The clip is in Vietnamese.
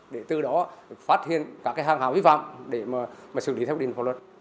để từ đó phát hiện các hàng hào vi phạm để xử lý theo quy định pháp luật